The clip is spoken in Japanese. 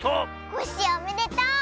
コッシーおめでとう！